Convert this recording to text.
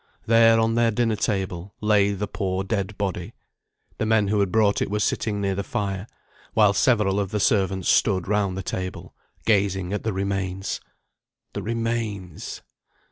There, on their dinner table, lay the poor dead body. The men who had brought it were sitting near the fire, while several of the servants stood round the table, gazing at the remains. _The remains!